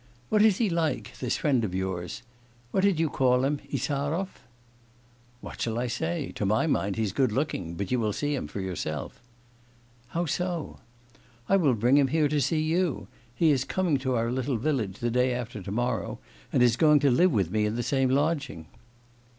'What is he like, this friend of yours; what did you call him, Insarov?' 'What shall I say? To my mind, he's good looking. But you will see him for yourself.' 'How so?' 'I will bring him here to see you. He is coming to our little village the day after tomorrow, and is going to live with me in the same lodging.